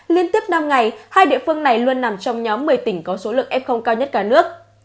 liên tiếp năm ngày hai địa phương này luôn nằm trong nhóm một mươi tỉnh có số lượng f cao nhất cả nước